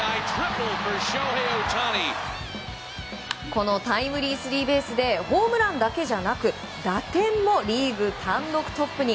このタイムリースリーベースでホームランだけじゃなく打点もリーグ単独トップに。